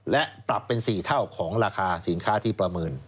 และปรับเป็น๔เท่าของราคาสินค้าที่ประเมิน